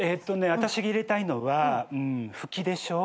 私が入れたいのはうんフキでしょ。